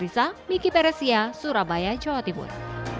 saya surabaya jawa timur